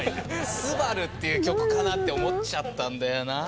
「すばる」っていう曲かなって思っちゃったんだよなあ。